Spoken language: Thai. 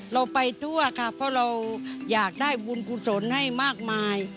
เราไปทั่วค่ะเพราะเราอยากได้บุญกุศลให้มากมาย